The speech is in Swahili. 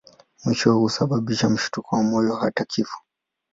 Mwishowe husababisha mshtuko wa moyo na hata kifo.